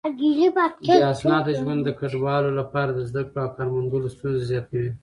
بې اسناده ژوند د کډوالو لپاره د زده کړو او کار موندلو ستونزې زياتوي.